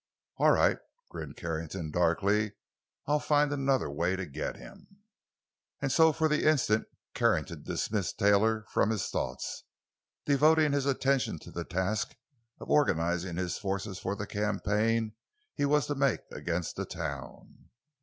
"All right," grinned Carrington, darkly; "I'll find another way to get him!" And so for the instant Carrington dismissed Taylor from his thoughts, devoting his attention to the task of organizing his forces for the campaign he was to make against the town.